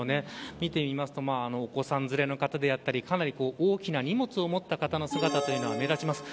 見てみましとお子さん連れの方であったりかなり大きな荷物を持った方の姿が目立ちます。